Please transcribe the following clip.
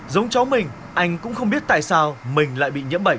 giống cháu mình anh cũng không biết tại sao mình lại bị nhiễm bệnh